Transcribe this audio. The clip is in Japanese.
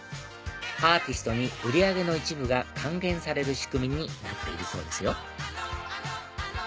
アーティストに売り上げの一部が還元される仕組みになっているそうですよ